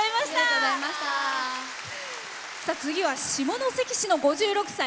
次は下関市の５６歳。